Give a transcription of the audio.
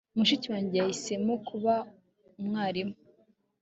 m] [t] mushiki wanjye yahisemo kuba umwarimu